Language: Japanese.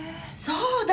そうだ！